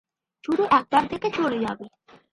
শুধু একবার দেখে চলে যাবে।